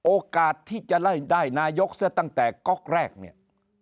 โอกาสที่จะได้นายกซะตั้งแต่ก๊อกแรกเนี่ย